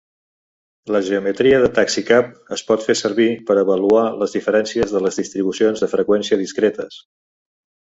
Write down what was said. La geometria de Taxicab es pot fer servir per avaluar les diferències de les distribucions de freqüència discretes.